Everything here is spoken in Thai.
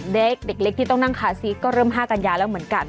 เด็กเล็กที่ต้องนั่งคาซีสก็เริ่ม๕กัญญาแล้วเหมือนกัน